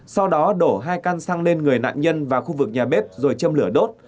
sau đó đổ hai can xăng lên người nạn nhân và khu vực nhà bếp rồi châm lửa đốt